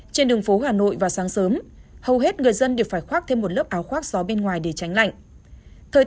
trên đường phố hà nội vào sáng sớm hầu hết người dân đều phải khoác thêm một lớp áo khoác gió bên ngoài để tránh lạnh